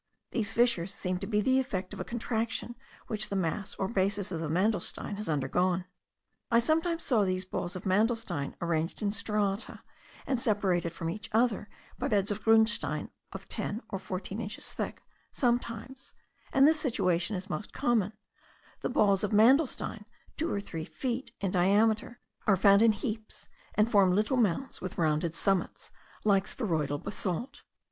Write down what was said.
These fissures seem to be the effect of a contraction which the mass or basis of the mandelstein has undergone. I sometimes saw these balls of mandelstein arranged in strata, and separated from each other by beds of grunstein of ten or fourteen inches thick; sometimes (and this situation is most common) the balls of mandelstein, two or three feet in diameter, are found in heaps, and form little mounts with rounded summits, like spheroidal basalt.